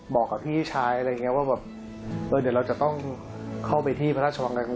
บอกกับพี่ชายว่าเดี๋ยวเราจะต้องเข้าไปที่พระราชวังกรรมบน